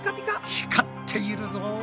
光っているぞ。